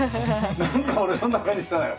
なんか俺そんな感じしたのよ。